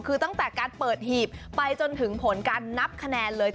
คือตั้งแต่การเปิดหีบไปจนถึงผลการนับคะแนนเลย